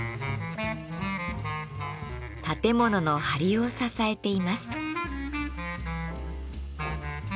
建物のはりを支えています。